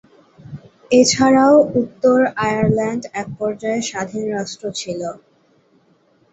এ ছাড়াও উত্তর আয়ারল্যান্ড এক পর্যায়ে স্বাধীন রাষ্ট্র ছিল।